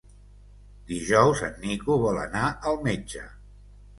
Dijous en Nico vol anar al metge.